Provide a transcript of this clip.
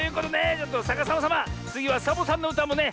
ちょっとさかさまさまつぎはサボさんのうたもね